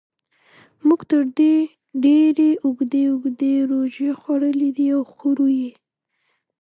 موږ تر دې ډېرې اوږدې اوږدې روژې خوړلې دي او خورو یې.